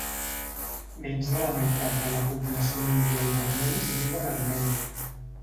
Menys de la meitat de la població mundial d'armenis viuen a Armènia.